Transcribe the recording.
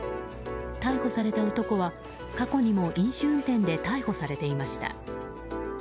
逮捕された男は過去にも飲酒運転で逮捕されていました。